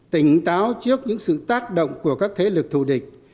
tỉnh táo trước những sự tác động của các thế lực thù địch